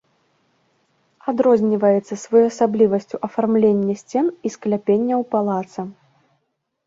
Адрозніваецца своеасаблівасцю афармленне сцен і скляпенняў палаца.